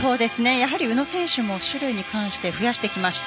やはり宇野選手も種類に関して増やしてきました。